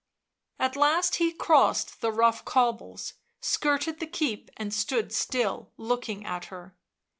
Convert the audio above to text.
At last he crossed the rough cobbles; skirted the keep and stood still, looking at her.